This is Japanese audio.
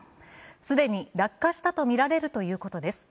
既に落下したとみられるということです。